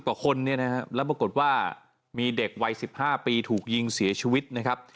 กว่าคนเนี่ยนะครับแล้วปรากฏว่ามีเด็กวัย๑๕ปีถูกยิงเสียชีวิตนะครับ